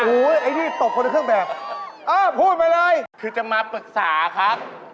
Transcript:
หูยไอ้ที่ตกคนในเครื่องแบกอ่าพูดไปเลยคือจะมาปรึกษาครับ